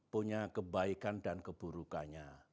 punya kebaikan dan keburukannya